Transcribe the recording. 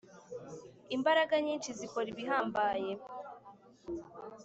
imbaraga nyinshi zikora ibihambaye